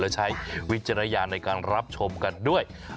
และใช้วิจารณญาณในการรับชมกันด้วย